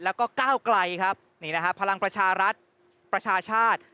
แล้วก็ก้าวไกลครับนี่นะฮะพลังประชารัฐประชาชาติ